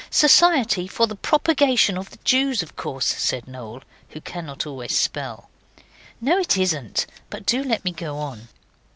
'Society for the Propagation of the Jews, of course,' said Noel, who cannot always spell. 'No, it isn't; but do let me go on.